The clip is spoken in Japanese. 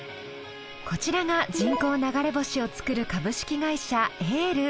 こちらが人工流れ星を作る「株式会社ＡＬＥ」。